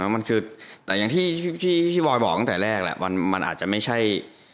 มันคือแต่อย่างที่พี่บอยบอกตั้งแต่แรกแหละมันอาจจะไม่ใช่